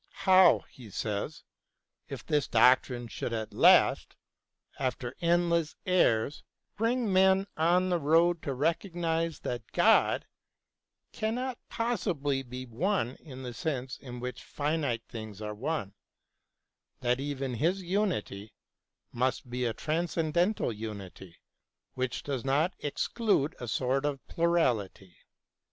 How, he says, if this doctrine should at last, after endless errors, bring men on the road to recognise that God cannot possibly be one in the sense in which finite things are one, that even His unity must be a transcendental unity which does not exclude a sort of plurality